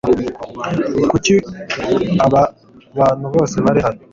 Kuki aba bantu bose bari hano